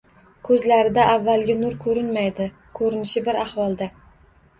Ko`zlarda avvalgi nur ko`rinmaydi, ko`rinishi bir ahvolda